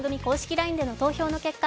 ＬＩＮＥでの投票の結果